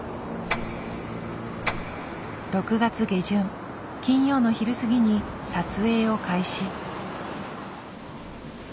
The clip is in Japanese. ６月下旬金曜の昼過ぎに撮影を開始。